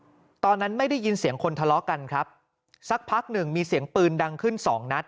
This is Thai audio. ตอนนั้นไม่ได้ยินเสียงคนทะเลาะกันครับสักพักหนึ่งมีเสียงปืนดังขึ้นสองนัด